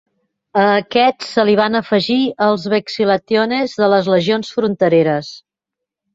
A aquests se li van afegir els vexillationes de les legions frontereres.